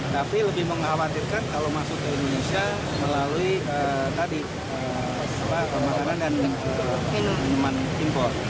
tapi lebih mengkhawatirkan kalau masuk ke indonesia melalui tadi pemakanan dan minuman impor